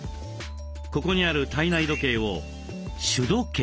ここにある体内時計を「主時計」。